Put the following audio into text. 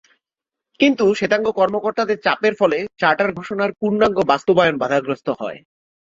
কিন্তু শ্বেতাঙ্গ কর্মকর্তাদের চাপের ফলে চার্টার ঘোষণার পূর্ণাঙ্গ বাস্তবায়ন বাধাগ্রস্ত হয়।